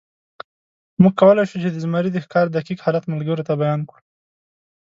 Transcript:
موږ کولی شو، چې د زمري د ښکار دقیق حالت ملګرو ته بیان کړو.